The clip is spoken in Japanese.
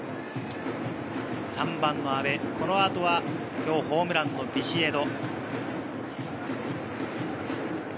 ３番の阿部、その後は今日ホームランのビシエド。